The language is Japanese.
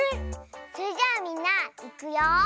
それじゃあみんないくよ。